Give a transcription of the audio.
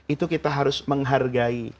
itu kita harus menghargai